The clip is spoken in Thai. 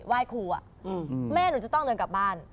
ไหว้ครูแม่หนูจะต้องเดินกลับบ้าน